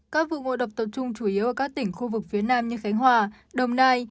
các vụ ngộ độc tập trung chủ yếu ở các tỉnh khu vực phía nam như khánh hòa đồng nai